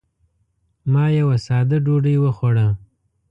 ما یوه ساده ډوډۍ وخوړه.